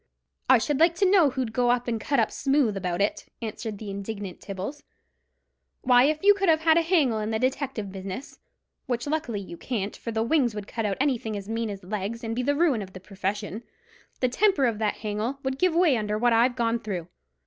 "I should like to know who'd go and cut up smooth about it?" answered the indignant Tibbles. "Why, if you could have a hangel in the detective business—which luckily you can't, for the wings would cut out anything as mean as legs, and be the ruin of the purfession—the temper of that hangel would give way under what I've gone through.